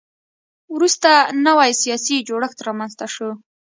وروسته نوی سیاسي جوړښت رامنځته شو.